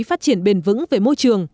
phát triển bền vững về môi trường